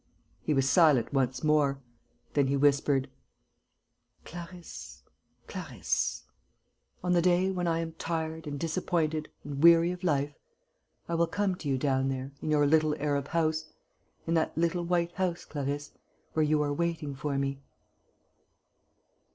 He was silent once more. Then he whispered: "Clarisse.... Clarisse.... On the day when I am tired and disappointed and weary of life, I will come to you down there, in your little Arab house ... in that little white house, Clarisse, where you are waiting for me...."